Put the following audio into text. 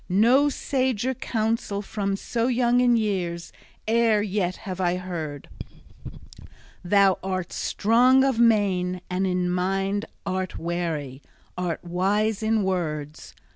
No sager counsel from so young in years e'er yet have I heard. Thou art strong of main and in mind art wary, art wise in words!